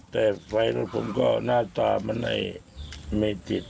แต่ไฟรถผมก็หน้าตามันไม่ติด